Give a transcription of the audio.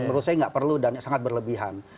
menurut saya tidak perlu dan sangat berlebihan